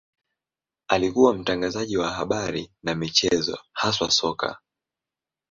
Alikuwa mtangazaji wa habari na michezo, haswa soka.